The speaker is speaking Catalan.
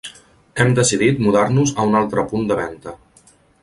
Hem decidit mudar-nos a un altre punt de venta.